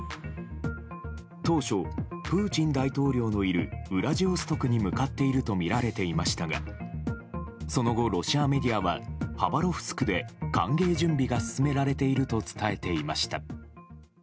当初、プーチン大統領のいるウラジオストクに向かっていると見られていましたが、その後、ロシアメディアは、ハバロフスクで歓迎準備が進められていると伝えていました。